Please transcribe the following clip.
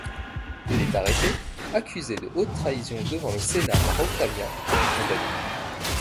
Il est arrêté, accusé de haute trahison devant le Sénat par Octavien, puis condamné.